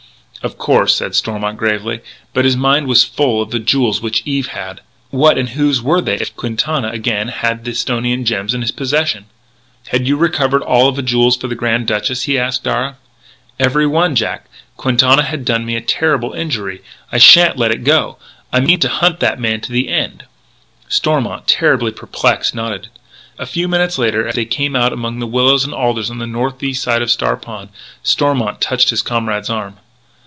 "Of course," said Stormont gravely. But his mind was full of the jewels which Eve had. What and whose were they, if Quintana again had the Esthonian gems in his possession? "Had you recovered all the jewels for the Grand Duchess?" he asked Darragh. "Every one, Jack.... Quintana has done me a terrible injury. I shan't let it go. I mean to hunt that man to the end." Stormont, terribly perplexed, nodded. A few minutes later, as they came out among the willows and alders on the northeast side of Star Pond, Stormont touched his comrade's arm.